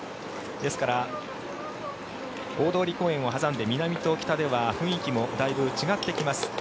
ですから、大通公園を挟んで南と北では雰囲気もだいぶ違ってきます。